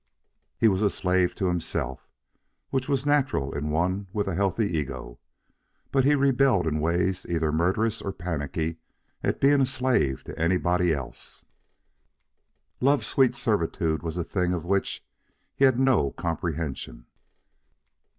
He was a slave to himself, which was natural in one with a healthy ego, but he rebelled in ways either murderous or panicky at being a slave to anybody else. Love's sweet servitude was a thing of which he had no comprehension.